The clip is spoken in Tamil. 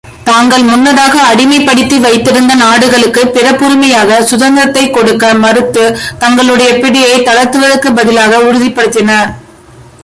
தாங்கள் முன்னதாக அடிமைப்படுத்தி வைத்திருந்த நாடுகளுக்குப் பிறப்புரிமையாகிய சுதந்திரத்தைக் கொடுக்க மறுத்துத் தங்களுடைய பிடியைத் தளர்த்துவதற்குப் பதிலாக உறுதிப்படுத்தின.